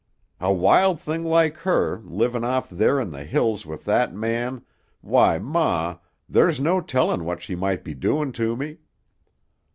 "A wild thing like her, livin' off there in the hills with that man, why, ma, there's no tellin' what she might be doin' to me."